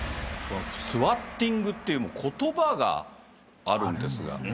スワッティングっていう言葉があるんですが。